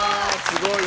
すごい。